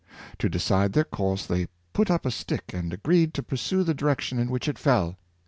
To decide their course they put up a stick, and agreed to pursue the direction in which it fell.